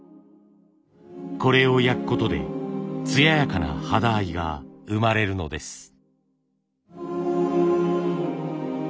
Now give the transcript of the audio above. これを焼くことで艶やかな肌合いが生まれるのです。